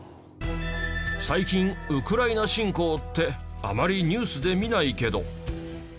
最近ウクライナ侵攻ってあまりニュースで見ないけど。